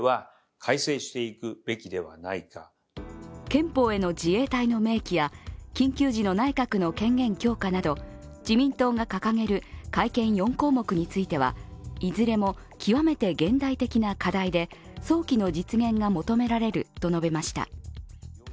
憲法への自衛隊の明記や緊急時の内閣の権限強化など自民党が掲げる改憲４項目についてはいずれも極めて現代的な課題で早期の実現が求められると述べました。